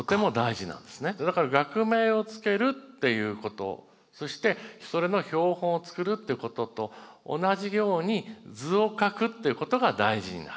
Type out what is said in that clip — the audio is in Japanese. だから学名を付けるっていうことそしてそれの標本を作るっていうことと同じように図を描くっていうことが大事になるわけです。